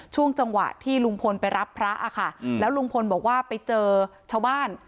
ช่วงจังหวะที่ลุงพลไปรับพระอะค่ะแล้วลุงพลบอกว่าไปเจอชาวบ้าน